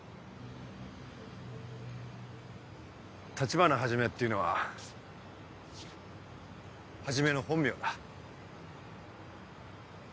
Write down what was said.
立花始っていうのは始の本名だ。